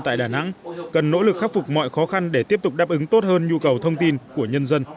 tại đà nẵng cần nỗ lực khắc phục mọi khó khăn để tiếp tục đáp ứng tốt hơn nhu cầu thông tin của nhân dân